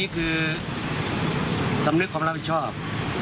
ครับ